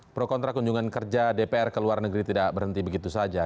pro kontra kunjungan kerja dpr ke luar negeri tidak berhenti begitu saja